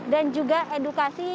dan juga edukasi